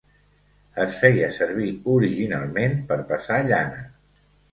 Es feia servir originalment per pesar llana.